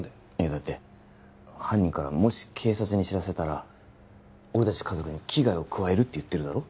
だって犯人からもし警察に知らせたら俺達家族に危害を加えるって言ってるだろ